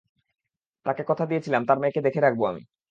তাকে কথা দিয়েছিলাম, তার মেয়েকে দেখে রাখবো আমি।